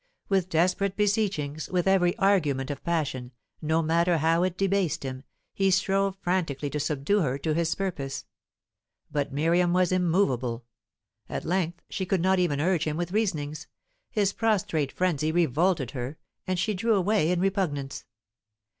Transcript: With desperate beseechings, with every argument of passion, no matter how it debased him, he strove frantically to subdue her to his purpose. But Miriam was immovable. At length she could not even urge him with reasonings; his prostrate frenzy revolted her, and she drew away in repugnance.